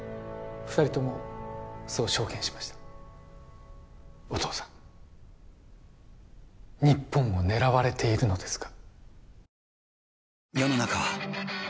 ２人ともそう証言しましたお父さん日本を狙われているのですか？